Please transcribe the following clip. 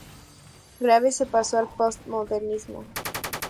Graves se pasó al postmodernismo.